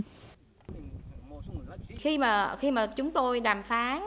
nhiều người dân đang rất lo ngại bởi chưa ai biết liệu chất thải này có độc hại hay không